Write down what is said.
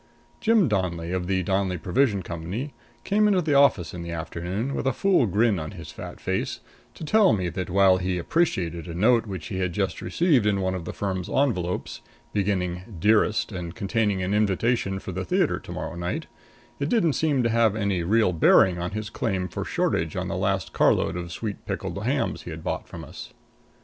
Jim Donnelly, of the Donnelly Provision Company, came into the office in the afternoon, with a fool grin on his fat face, to tell me that while he appreciated a note which he had just received in one of the firm's envelopes, beginning "Dearest," and containing an invitation to the theatre to morrow night, it didn't seem to have any real bearing on his claim for shortage on the last carload of sweet pickled hams he had bought from us.